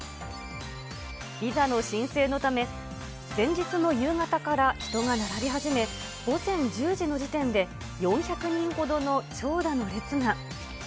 ビザの申請のため、前日の夕方から人が並び始め、午前１０時の時点で４００人ほどの長蛇の列が。